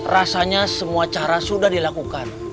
rasanya semua cara sudah dilakukan